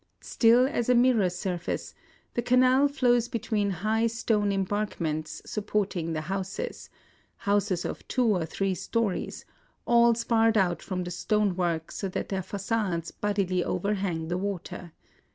Still as a mirror surface, the canal flows between high stone embankments sup porting the houses, — houses of two or three stories, all sparred out from the stonework so that their fagades bodily overhang the water.